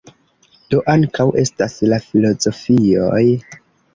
Do ankaŭ estas la filozofioj.